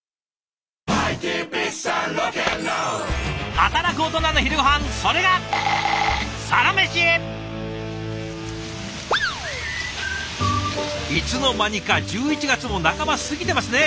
働くオトナの昼ごはんそれがいつの間にか１１月も半ば過ぎてますね。